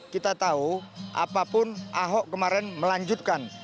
kita tahu apapun ahok kemarin melanjutkan